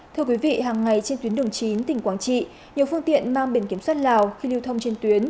thưa quý vị hàng ngày trên tuyến đường chín tỉnh quảng trị nhiều phương tiện mang biển kiểm soát lào khi lưu thông trên tuyến